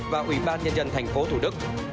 và ủy ban nhân dân thành phố tổ đức